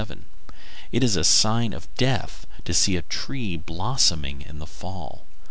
It is a sign of death to see a tree blossoming in the fall.